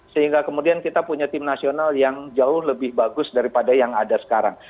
sehingga kemudian kita punya tim nasional yang jauh lebih bagus daripada yang ada sekarang